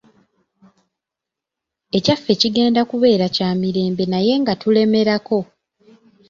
Ekyaffe kigenda kubeera kya mirembe naye nga tulemerako.